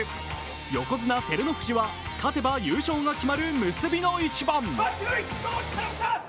横綱・照ノ富士は勝てば優勝が決まる結びの一番。